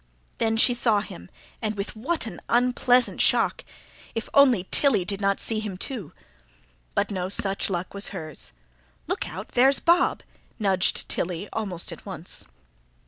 Then she saw him and with what an unpleasant shock. If only Tilly did not see him, too! But no such luck was hers. "Look out, there's Bob," nudged Tilly almost at once.